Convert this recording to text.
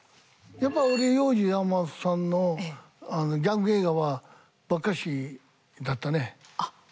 やっぱり俺ヨウジ・ヤマモトさんのギャング映画はばっかしだったね。